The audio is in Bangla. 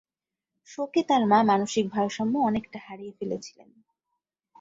শোকে তার মা মানসিক ভারসাম্য অনেকটা হারিয়ে ফেলেছিলেন।